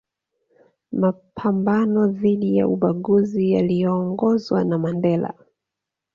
mapambano dhidi ya ubaguzi yaliyoongozwa na Mandela